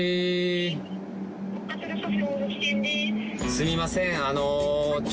すみません。